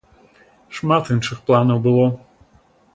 Шмат іншых планаў было.